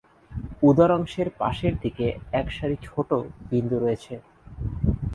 উদর অংশের পাশের দিকে এক সারি ছোট বিন্দু রয়েছে।